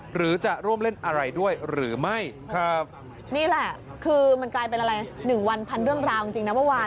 หรือจะร่วมเล่นอะไรด้วยหรือไม่